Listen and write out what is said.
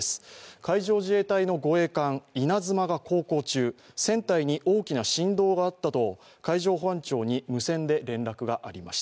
海上自衛隊の護衛艦「いなづま」が航行中、船体に大きな振動があったと、海上保安庁に無線で連絡がありました。